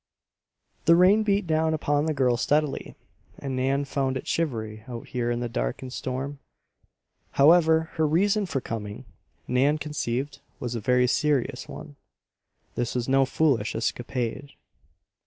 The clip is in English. The rain beat down upon the girl steadily, and Nan found it shivery out here in the dark and storm. However, her reason for coming, Nan conceived, was a very serious one. This was no foolish escapade.